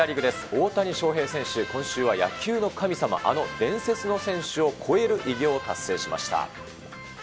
大谷翔平選手、今週は野球の神様、あの伝説の選手を超える偉業を達成しました。